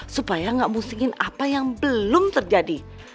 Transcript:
supaya gak musingin apa yang belum terjadi